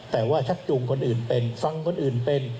แต่ว่าชักจูงคนอื่นเป็นฟังคนอื่นเป็น